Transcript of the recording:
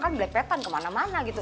kan blepatan kemana mana gitu